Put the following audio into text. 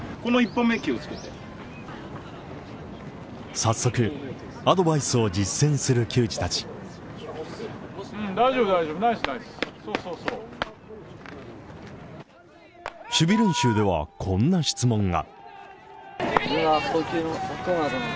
早速アドバイスを実践する球児たち守備練習ではこんな質問が。